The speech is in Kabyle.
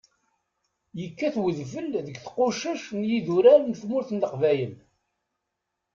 Yekkat udfel deg tqucac n yidurar n tmurt n Leqbayel.